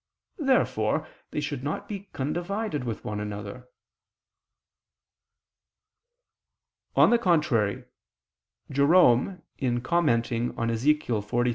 Therefore they should not be condivided with one another. On the contrary, Jerome in commenting on Ezech.